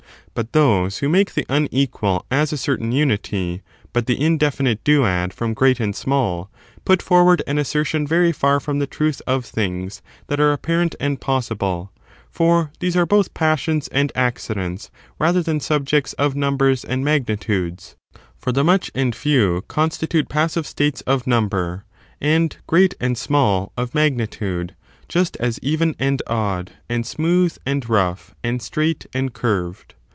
393 But those who make the unequal as a cer 7 rpj^^^^ ^j^^ tain unity, but the indefinite duad from great makeinequa and small, put forward an assertion very far y^^*y from the truth of things that are apparent and possible ; for these are both passions and accidents rather than subjects of numbers and magnitudes.^ For the much and few consti tute passive states of number, and great and small of mag nitude, just as ^yen and odd, and smooth and rough, and straight and curved.